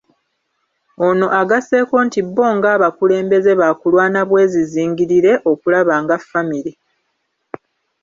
Ono agasseeko nti bbo nga abakulembezze baakulwana bwezizingirire okulaba nga famire.